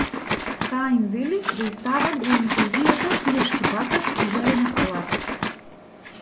Таа им вели да ѝ стават во инфузијата пилешки батак и зелена салата.